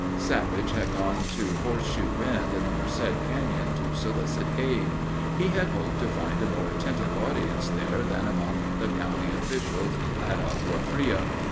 Savage had gone to Horse Shoe Bend in the Merced Canyon to solicit aid. He had hoped to find a more attentive audience there than among the county officials at Agua Fria.